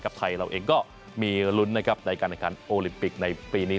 ไทยเราเองก็มีลุ้นนะครับในการแข่งขันโอลิมปิกในปีนี้